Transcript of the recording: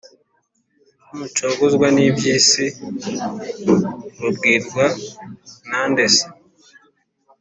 n' ucogozwa n'iby'isi, babwirwa na nde se?